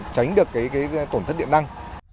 tránh được tổn thất điện năng